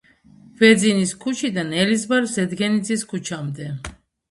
ვეძინის ქუჩიდან ელიზბარ ზედგენიძის ქუჩამდე.